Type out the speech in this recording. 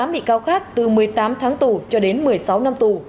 một mươi bị cáo khác từ một mươi tám tháng tù cho đến một mươi sáu năm tù